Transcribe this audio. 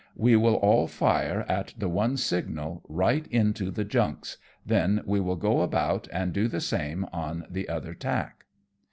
We will all fire at the one signal right into the junks, then we will go about and do the same on the other tack."